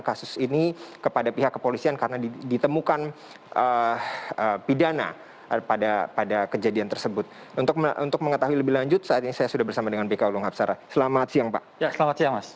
kasus ini kepada pihak kepolisian karena ditemukan pidana pada pada kejadian tersebut untuk untuk mengetahui lebih lanjut saat ini saya sudah bersama dengan bk ulung habsarah selamat siang pak